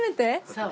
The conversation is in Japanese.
そう。